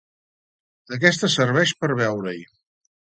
Aquesta serveix per veure-hi.